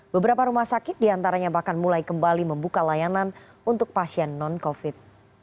beberapa rumah sakit diantaranya bahkan mulai kembali membuka layanan untuk pasien non covid